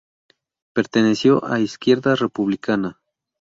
Perteneció a Izquierda Republicana.